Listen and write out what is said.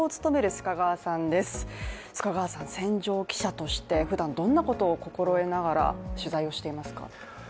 須賀川さん、戦場記者としてふだんどんなことを心得ながら取材をしていますか。